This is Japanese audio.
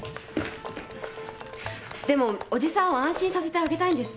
でもおじさんを安心させてあげたいんです。